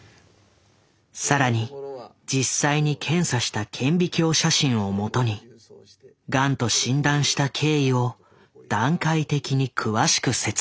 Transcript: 更に実際に検査した顕微鏡写真をもとにガンと診断した経緯を段階的に詳しく説明。